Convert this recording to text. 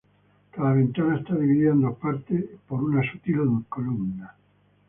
Cada ventana está dividida en dos partes por una sutil columna.